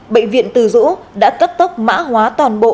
bệnh viện từ dũ đã cấp tốc mã hóa toàn bộ